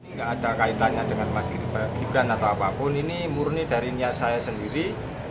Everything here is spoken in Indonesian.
nggak ada kaitannya dengan mas gibran atau apapun ini murni dari niat saya sendiri